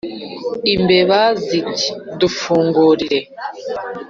Imbeba ziti: "Dufungurire!"